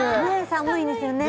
寒いですよね